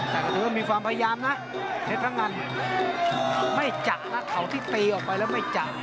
แต่ก็มีความพยายามนะเพศพังกันไม่จักนะเขาที่ตีออกไปแล้วไม่จัก